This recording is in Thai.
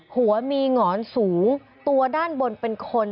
หัวมีหงอนสูงตัวด้านบนเป็นคน